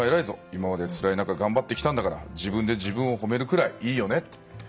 今までつらい中頑張ってきたんだから自分で自分を褒めるぐらいいいよねって。